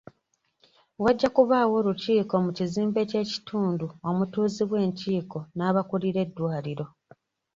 Wajja kubaawo olukiiko mu kizimbe ky'ekitundu omutuuzibwa enkiiko n'abakulira eddwaliro.